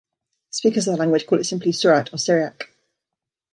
Speakers of the language call it simply "Surat", or 'Syriac'.